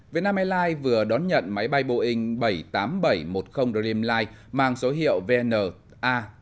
vietnam airlines vừa đón nhận máy bay boeing bảy trăm tám mươi bảy một mươi dreamline mang số hiệu vn a